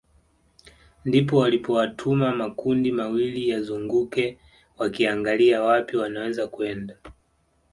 Ndipo walipowatuma makundi mawili yazunguke wakiangalia wapi wanaweza kwenda